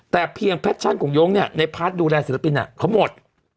แต่เพียงแพชชั่นของยงเนี่ยในพาร์ทดูแลศิลปินเขาหมด